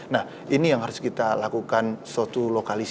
nah ini yang harus kita lakukan suatu lokalisasi